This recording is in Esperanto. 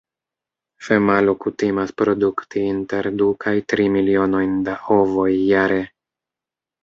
Femalo kutimas produkti inter du kaj tri milionojn da ovoj jare.